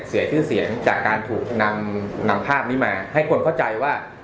เสียชื่อเสียงจากการถูกนำภาพนี้มาให้คนเข้าใจว่า